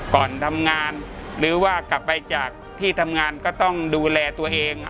ก่อนทำงานหรือว่ากลับไปจากที่ทำงานก็ต้องดูแลตัวเอง